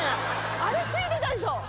あれ付いてたでしょ！